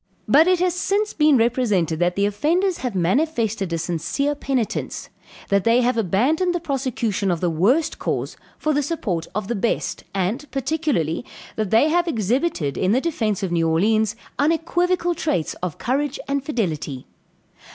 "But it has since been represented that the offenders have manifested a sincere penitence; that they have abandoned the prosecution of the worst cause for the support of the best, and, particularly, that they have exhibited, in the defence of New Orleans, unequivocal traits of courage and fidelity.